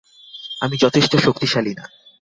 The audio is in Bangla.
আমি যথেষ্ট শক্তিশালী না।